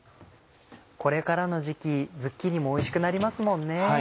これからの時期ズッキーニもおいしくなりますもんね。